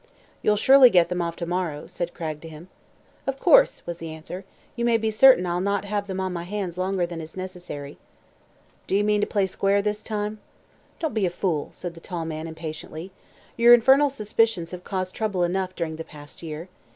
"You'll surely get them off to morrow?" said Cragg to him, "Of course," was the answer. "You may be certain I'll not have them on my hands longer than is necessary." "Do you mean to play square, this time?" "Don't be a fool," said the tall man impatiently. "Your infernal suspicions have caused trouble enough, during the past year.